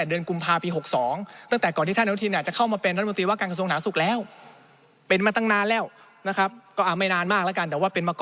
เราก็ต้องเชื่อเขาถูกต้องไหมครับ